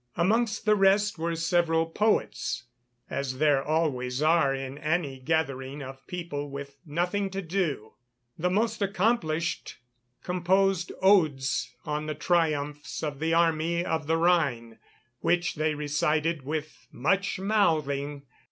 Amongst the rest were several poets, as there always are in any gathering of people with nothing to do. The most accomplished composed odes on the triumphs of the Army of the Rhine, which they recited with much mouthing.